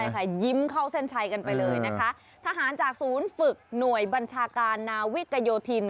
ใช่ค่ะยิ้มเข้าเส้นชัยกันไปเลยนะคะทหารจากศูนย์ฝึกหน่วยบัญชาการนาวิกโยธิน